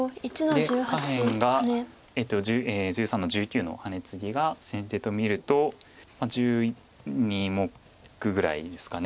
で下辺が１３の十九のハネツギが先手と見ると１２目ぐらいですか。